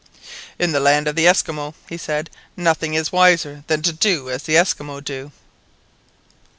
"In the land of the Esquimaux," he said, "nothing is wiser than to do as the Esquimaux do."